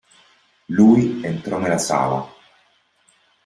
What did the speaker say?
Lui entrò nella sala.